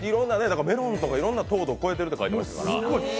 メロンとかいろんな糖度を超えてるって書いてましたから。